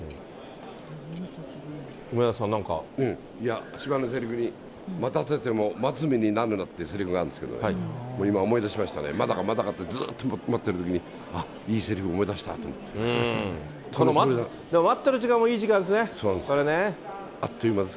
梅沢さん、いや、芝居のせりふに、待たせても待つ身になるなっていうせりふがあるんですけど、今思い出しましたね、まだかまだかってずっと待ってるときに、あっ、待ってる時間もいい時間ですそうなんです。